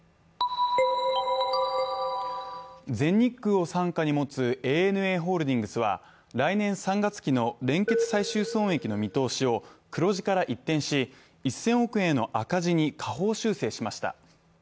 全日空を傘下に持つＡＮＡホールディングスは来年３月期の連結最終損益の見通しを黒字から一転し、１０００億円の赤字に下方修正しました。